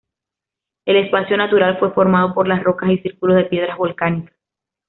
El espacio natural fue formado por las rocas y círculos de piedras volcánicas.